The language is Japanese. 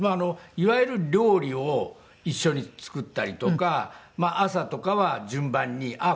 いわゆる料理を一緒に作ったりとか朝とかは順番に。